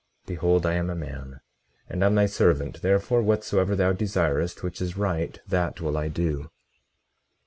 Behold, I am a man, and am thy servant; therefore, whatsoever thou desirest which is right, that will I do.